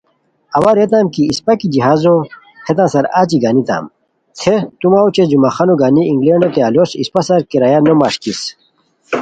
اوا ریتام کی اِسپہ کی جہازو ہیتان سار اچی گانیتام تھے تو مہ اوچے جمعہ خانو گانی انگلینڈوتین الوس اِسپہ سار کرایہ نو مݰکیس